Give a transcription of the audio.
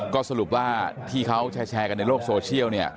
ก็สรุปว่าที่เขาแชร์กันในโลกโซเชียลเนี่ย